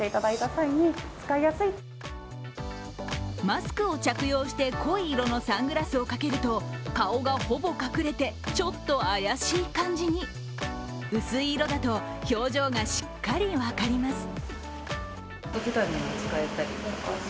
マスクを着用して濃い色のサングラスをかけると顔がほぼ隠れて、ちょっと怪しい感じに薄い色だと、表情がしっかり分かります。